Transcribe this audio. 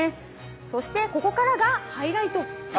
そしてここからがハイライトはい。